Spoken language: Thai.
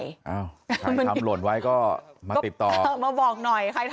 ใครทำหลวนไว้ก็มาติดต่อ